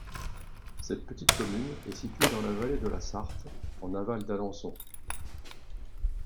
Cette petite commune est située dans la vallée de la Sarthe, en aval d'Alençon.